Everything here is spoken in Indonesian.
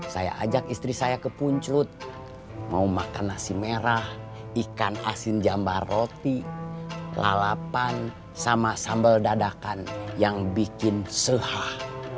saya ajak istri saya ke puncut mau makan nasi merah ikan asin jambar roti lalapan sama sambal dadakan yang bikin sehah